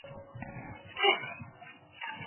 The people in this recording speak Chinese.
张某不服提起诉愿。